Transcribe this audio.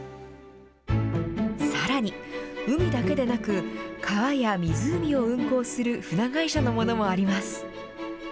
さらに、海だけでなく、川や湖を運航する船会社のものもあります。